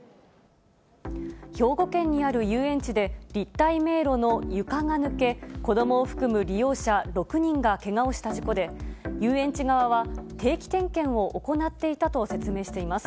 兵庫県にある遊園地で、立体迷路の床が抜け、子どもを含む利用者６人がけがをした事故で、遊園地側は、定期点検を行っていたと説明しています。